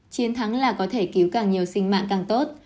chiến thắng là có thể cứu càng nhiều sinh mạng càng tốt